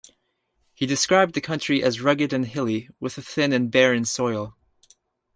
He described the country as rugged and hilly, with a thin and barren soil.